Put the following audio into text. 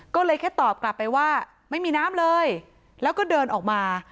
ก็เลยแค่ตอบกลับไปว่าไม่มีน้ำเลยแล้วก็เดินออกมา